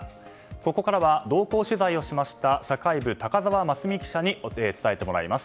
ここからは同行取材をされました社会部の高沢真澄記者に伝えてもらいます。